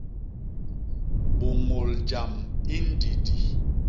Bôñôl jam i ndidi.